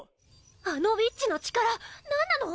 あのウィッチの力何なの？